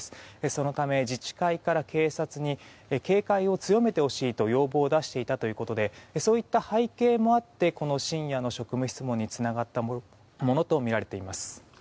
そのため自治会から警察に警戒を強めてほしいと要望を出していたということでそういった背景もあってこの深夜の職務質問につながったものとみられています。